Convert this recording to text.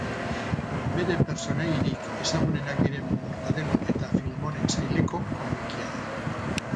Bere pertsonaiarik ezagunenak diren Mortadelo eta Filemonen saileko komikia da.